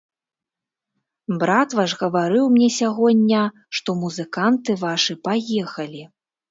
Брат ваш гаварыў мне сягоння, што музыканты вашы паехалі.